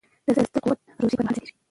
د زده کړې قوت د روژې پر مهال زیاتېږي.